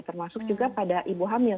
termasuk juga pada ibu hamil